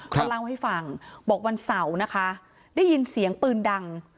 เขาเล่าให้ฟังบอกวันเสาร์นะคะได้ยินเสียงปืนดัง